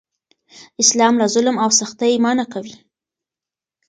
اسلام له ظلم او سختۍ منع کوي.